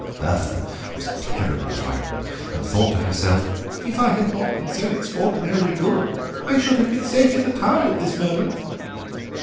Bertha was terribly frightened, and thought to herself: 'If I had not been so extraordinarily good I should have been safe in the town at this moment.